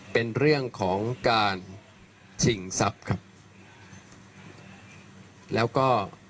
เป็นเรื่องของการชิงทรัพย์ครับแล้วก็